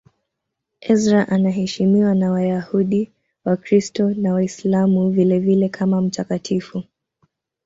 Ezra anaheshimiwa na Wayahudi, Wakristo na Waislamu vilevile kama mtakatifu.